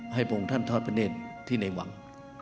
ให้พระองค์ท่านทอสเบอร์เนสที่ในหวัง